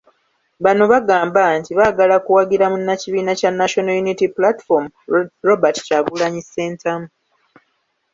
Bano bagamba nti, baagala kuwagira munnakibiina kya National Unity Platform , Robert Kyagulanyi Ssentamu.